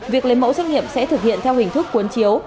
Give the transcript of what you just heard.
việc lấy mẫu xét nghiệm sẽ thực hiện theo hình thức cuốn chiếu